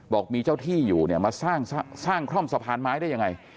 บอกมีเจ้าที่อยู่เนี่ยมาสร้างคล่อมสะพานไม้ได้ยังไง